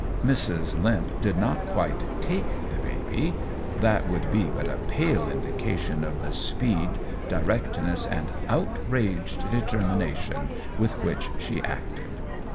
Mrs. Limp did not quite take the baby. That would be but a pale indication of the speed, directness and outraged determination with which she acted.